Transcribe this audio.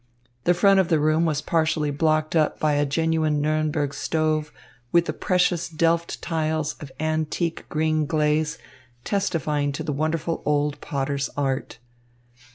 The front of the room was partially blocked up by a genuine Nuremberg stove with the precious Delft tiles of antique green glaze testifying to the wonderful old potter's art.